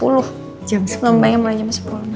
lombanya mulai jam sepuluh